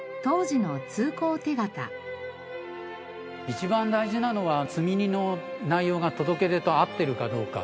一番大事なのは積み荷の内容が届け出と合っているかどうか。